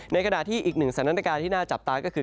ในขณะที่อีกหนึ่งสถานการณ์ที่น่าจับตาก็คือ